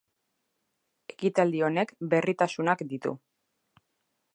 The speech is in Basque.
Ekitaldi honek berritasunak ditu.